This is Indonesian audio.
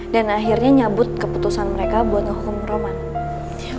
dan akhirnya nyabut keputusan mereka buat ngehukum roman